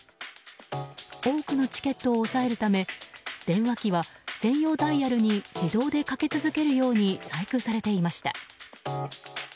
多くのチケットを押さえるため電話機は専用ダイヤルに自動でかけ続けるように細工されていました。